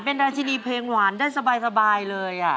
เป็นราชินีเพลงหวานได้สบายเลย